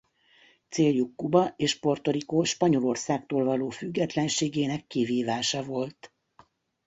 Céljuk Kuba és Puerto Rico Spanyolországtól való függetlenségének kivívása volt.